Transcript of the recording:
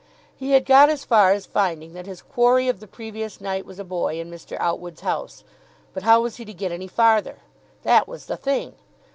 He had got as far as finding that his quarry of the previous night was a boy in Mr. Outwood's house, but how was he to get any farther? That was the thing.